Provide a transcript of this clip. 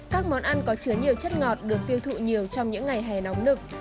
các món ăn có chứa nhiều chất ngọt được tiêu thụ nhiều trong những ngày hè nóng nực